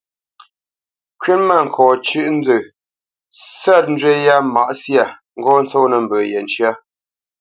"Kywítmâŋkɔʼ ncyə̂ʼ nzə sə̂t njywí yâ mǎʼ syâ; ŋgɔ́ ntsônə́ mbə yé ncə́."